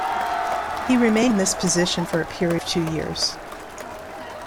He remained in this position for a period of two years.